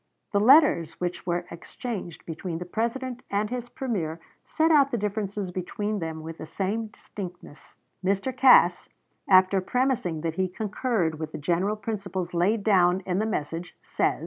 '" The letters which were exchanged between the President and his premier set out the differences between them with the same distinctness. Mr. Cass, after premising that he concurred with the general principles laid down in the message, says: Cass to Buchanan, Dec.